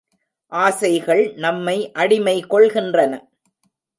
ஆசைகள் நம்மை அடிமை கொள்கின்றன.